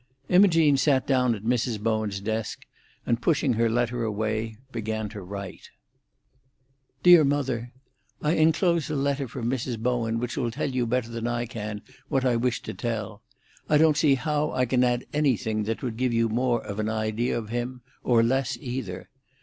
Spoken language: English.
Imogene sat down at Mrs. Bowen's desk, and pushing her letter away, began to write. "FLORENCE, March 10, 18—. "DEAR MOTHER,— I inclose a letter from Mrs. Bowen which will tell you better than I can what I wish to tell. I do not see how I can add anything that would give you more of an idea of him, or less, either.